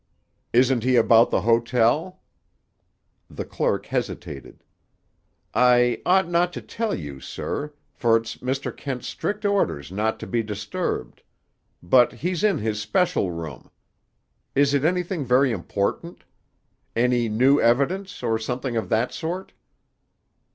"Isn't he about the hotel?" The clerk hesitated. "I ought not to tell you, sir, for it's Mr. Kent's strict orders not to be disturbed; but he's in his special room. Is it anything very important? Any new evidence, or something of that sort?"